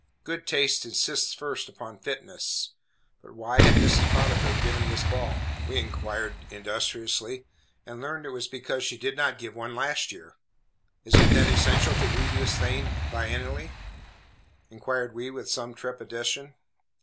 Good taste insists first upon fitness. But why had Mrs. Potiphar given this ball? We inquired industriously, and learned it was because she did not give one last year. Is it then essential to do this thing biennially? inquired we with some trepidation.